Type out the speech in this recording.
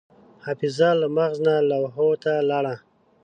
حافظه له مغز نه لوحو ته لاړه.